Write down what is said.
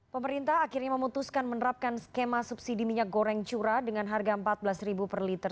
pemerintah akhirnya memutuskan menerapkan skema subsidi minyak goreng curah dengan harga rp empat belas per liter